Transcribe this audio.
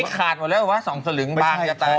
มันไม่ขาดมาแล้วว่าสองสลึงบอกจะตาย